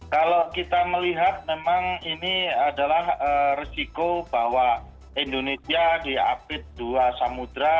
kalau kita melihat memang ini adalah resiko bahwa indonesia diapit dua samudera